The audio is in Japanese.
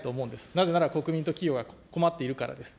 なぜなら国民と企業が困っているからです。